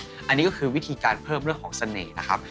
ไม่เป็นไรครับอันนี้ก็คือวิธีการเพิ่มเรื่องของเสน่ห์นะครับ